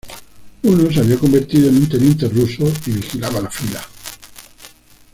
Uno se había convertido en un teniente ruso, y vigilaba la fila.